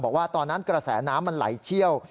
บอกว่าตอนนั้นกระแสน้ำมันไหลเชี่ยว